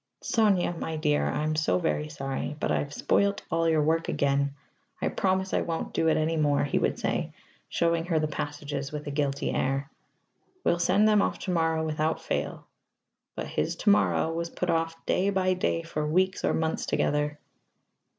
"Sonya, my dear, I am very sorry, but I've spoilt all your work again; I promise I won't do it any more," he would say, showing her the passages with a guilty air. "We'll send them off to morrow without fail." But his to morrow was put off day by day for weeks or months together.